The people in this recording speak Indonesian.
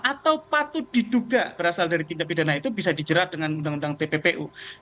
atau patut diduga berasal dari tindak pidana itu bisa dijerat dengan undang undang tppu